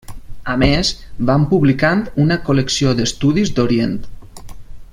A més, van publicant una col·lecció d'estudis d'Orient.